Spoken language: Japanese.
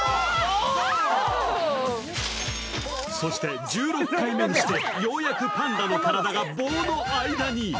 そして１６回目にしてようやくパンダの体が棒の間に。